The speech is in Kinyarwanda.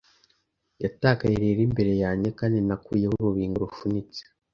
' Yatakaye rero imbere yanjye; Kandi nakuyeho urubingo rufunitse